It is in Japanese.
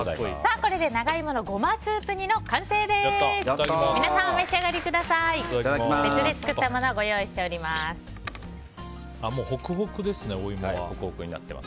これで長イモのゴマスープ煮の完成です。